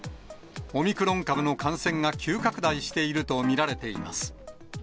オミクロン株の感染が急拡大していると見られています。